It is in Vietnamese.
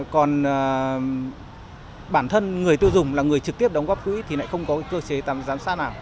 còn bản thân người tiêu dùng là người trực tiếp đóng góp quỹ thì lại không có cơ chế giám sát nào